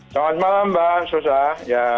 selamat malam mbak susah